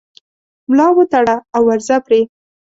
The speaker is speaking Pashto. ملا وتړه او ورځه پرې